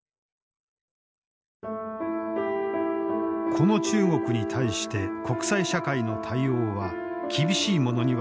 この中国に対して国際社会の対応は厳しいものにはならなかった。